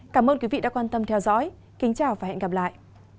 cảm ơn quý vị đã quan tâm theo dõi kính chào và hẹn gặp lại